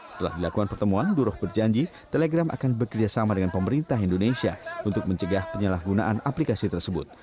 setelah dilakukan pertemuan duroh berjanji telegram akan bekerjasama dengan pemerintah indonesia untuk mencegah penyalahgunaan aplikasi tersebut